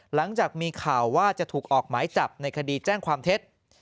หลังจากมีข่าวว่าจะถูกออกหมายจับในคดีแจ้งความเท็จ